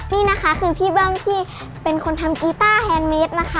นี่นะคะคือพี่เบิ้มที่เป็นคนทำกีต้าแฮนดมิดนะคะ